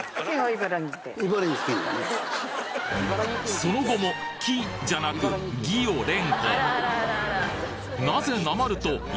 その後も「き」じゃなく「ぎ」を連呼！